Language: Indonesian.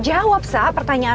apakah itu lagi